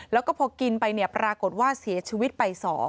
แล้วก็พอกินไปปรากฏว่าเสียชีวิตไป๒